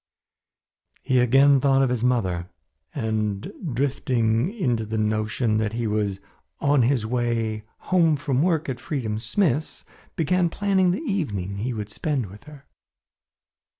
He again thought of his mother and drifting into the notion that he was on his way home from work at Freedom Smith's, began planning the evening he would spend with her.